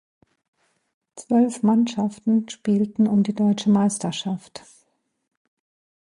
Zwölf Mannschaften spielten um die deutsche Meisterschaft.